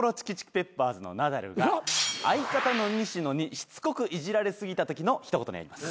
ペッパーズのナダルが相方の西野にしつこくいじられ過ぎたときの一言やります。